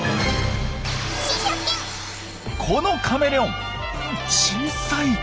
このカメレオン小さい！